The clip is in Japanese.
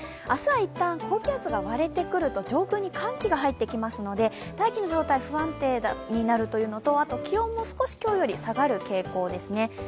明日は一旦、高気圧が割れてくると上空に寒気が入ってきますので、大気の状態が不安定になるというのと気温も今日より少し下がる傾向ですね。